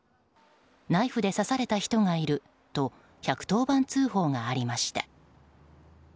ナイフで刺された人がいると１１０番通報がありました。